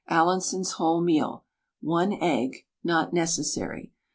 Allinson's wholemeal, 1 egg (not necessary).